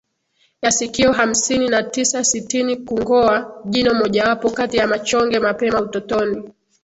ya sikio hamsini na tisasitini Kungoa jino mojawapo kati ya machonge mapema utotoni